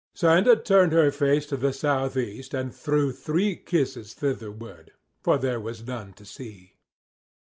Santa turned her face to the southeast and threw three kisses thitherward; for there was none to see.